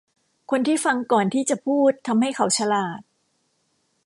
คนที่ฟังก่อนที่จะพูดทำให้เขาฉลาด